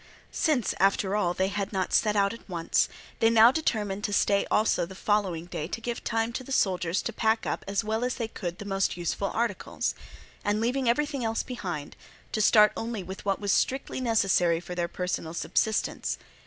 Since after all they had not set out at once, they now determined to stay also the following day to give time to the soldiers to pack up as well as they could the most useful articles, and, leaving everything else behind, to start only with what was strictly necessary for their personal subsistence.